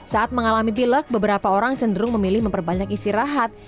saat mengalami pilek beberapa orang cenderung memilih memperbanyak istirahat